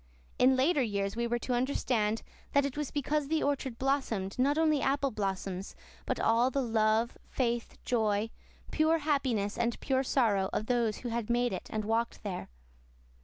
In later years we were to understand that it was because the orchard blossomed not only apple blossoms but all the love, faith, joy, pure happiness and pure sorrow of those who had made it and walked there.